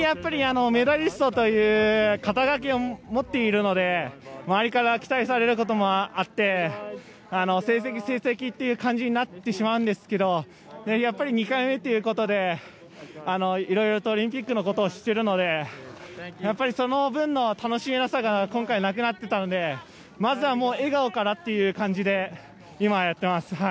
メダリストという肩書を持っているので前から期待されることもあって成績、成績という感じになってしまいますがやっぱり２回目ということでいろいろとオリンピックのことを知っているのでその分の楽しいことが今回なくなっていたのでまずは笑顔からっていう感じで今、やっています。